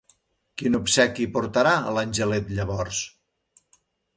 Quin obsequi portarà l'angelet llavors?